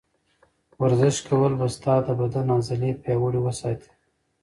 ورزش کول به ستا د بدن عضلې پیاوړې وساتي.